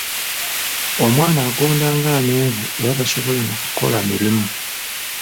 Omwana agonda ng'amenvu era tasobola na kukola mirimu.